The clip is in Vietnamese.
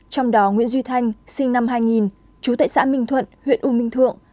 trong đó nguyễn duy thanh sinh năm hai nghìn trú tại xã minh thuận huyện u minh thượng